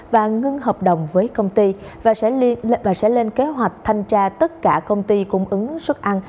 và ngưng hợp đồng với công ty và sẽ lên kế hoạch thanh tra tất cả công ty cung ứng suất ăn